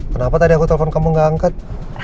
kenapa tadi aku telepon kamu gak angkat